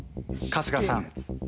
春日さん